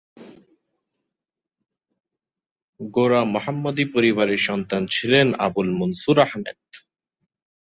গোঁড়া মোহাম্মদী পরিবারের সন্তান ছিলেন আবুল মনসুর আহমদ।